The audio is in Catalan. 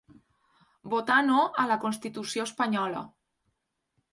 Votà no a la constitució espanyola.